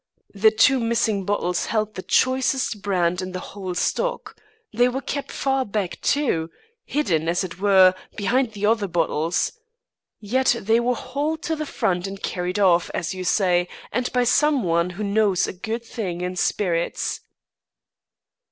The two missing bottles held the choicest brand in the whole stock. They were kept far back too hidden, as it were, behind the other bottles. Yet they were hauled to the front and carried off, as you say, and by some one who knows a good thing in spirits."